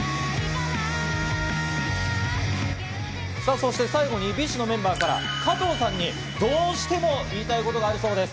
そして最後にＢｉＳＨのメンバーから、加藤さんにどうしても言いたいことがあるそうです。